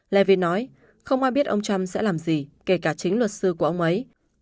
levin nói không ai biết ông trump sẽ làm gì kể cả chính luật sư của ông ấy